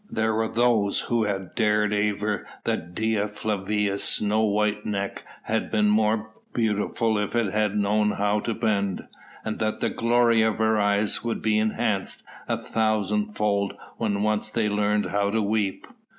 There was those who had dared aver that Dea Flavia's snow white neck had been more beautiful if it had known how to bend, and that the glory of her eyes would be enhanced a thousandfold when once they learned how to weep.